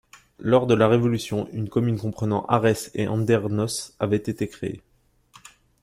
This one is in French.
Lors de la Révolution, une commune comprenant Arès et Andernos avait été créée.